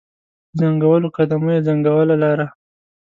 په ځنګولو قدمو یې ځنګوله لاره